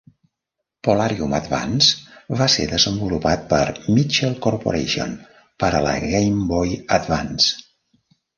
"Polarium Advance" va ser desenvolupat per Mitchell Corporation per a la Game Boy Advance.